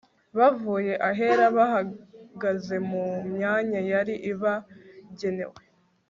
bavuye ahera, bahagaze mu myanya yari ibagenewe